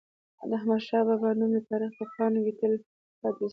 د احمد شاه بابا نوم د تاریخ په پاڼو کي تل پاتي سو.